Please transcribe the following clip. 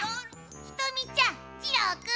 ひとみちゃんじろーくん！